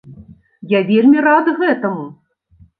Я вельмі рад гэтаму!